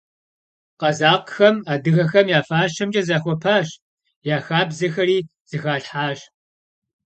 Къэзакъхэм адыгэхэм я фащэмкӀэ захуэпащ, я хабзэхэри зыхалъхьащ.